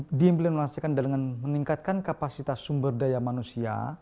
itu diimplementasikan dengan meningkatkan kapasitas sumber daya manusia